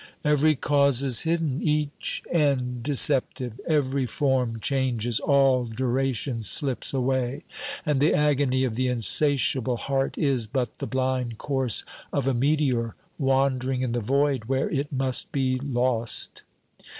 Every cause is hidden, 256 OBERMANN each end deceptive. Every form changes, all duration slips away; and the agony of the insatiable heart is but the blind course of a meteor wandering in the void where it must be lost.